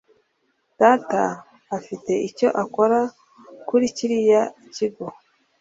Data afite icyo akora kuri kiriya kigo